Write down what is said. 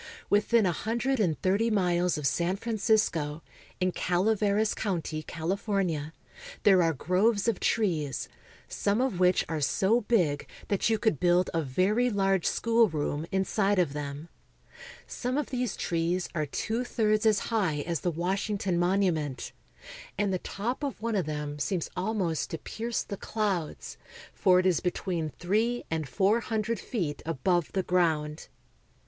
Within a hundred and thirty miles of San Francisco, in Calaveras county, California, there are groves of trees some of which are so big that you could build a very large schoolroom inside of them. Some of these trees are two thirds as high as the Washington Monument, and the top of one of them seems almost to pierce the clouds, for it is between three and four hundredfeetabove the ground.